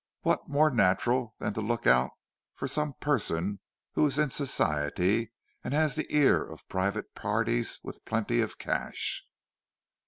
What more natural than to look out for some person who is in Society and has the ear of private parties with plenty of cash?"